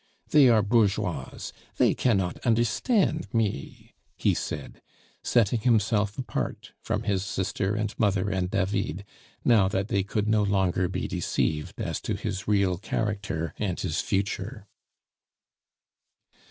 "They are bourgeoises, they cannot understand me," he said, setting himself apart from his sister and mother and David, now that they could no longer be deceived as to his real character and his future.